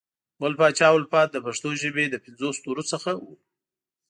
ګل پاچا الفت د پښنو ژبې له پنځو ستورو څخه وو